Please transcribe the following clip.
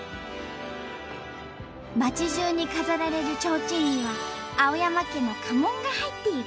町じゅうに飾られる提灯には青山家の家紋が入っている。